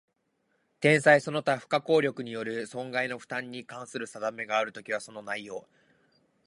天災その他不可抗力による損害の負担に関する定めがあるときは、その内容